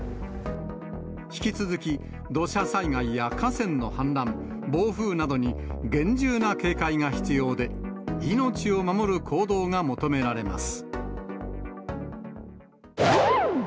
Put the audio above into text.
引き続き、土砂災害や河川の氾濫、暴風などに厳重な警戒が必要で、命を守る行動が求められます。